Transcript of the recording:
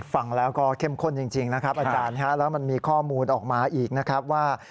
ฟังแล้วก็เข้มข้นจริงนะครับอาจารย์แล้วมันมีข้อมูลออกมาอีกนะครับว่า